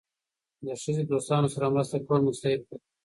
د ښځې دوستانو سره مرسته کول مستحب دي.